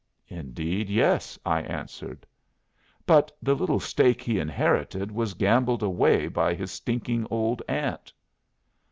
"Indeed yes," I answered. "But the little stake he inherited was gambled away by his stinking old aunt."